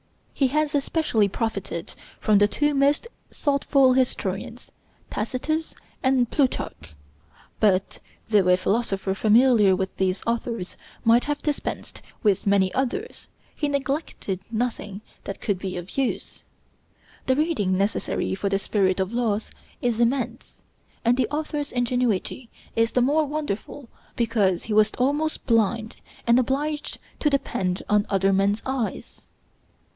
He has especially profited from the two most thoughtful historians, Tacitus and Plutarch; but, though a philosopher familiar with these authors might have dispensed with many others, he neglected nothing that could be of use. The reading necessary for the 'Spirit of Laws' is immense; and the author's ingenuity is the more wonderful because he was almost blind, and obliged to depend on other men's eyes.